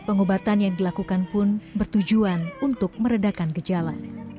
pengobatan yang dilakukan pun bertujuan untuk meredakan gejala